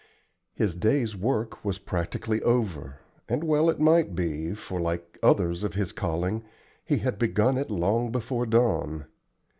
His day's work was practically over; and well it might be, for, like others of his calling, he had begun it long before dawn.